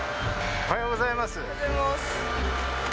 おはようございます。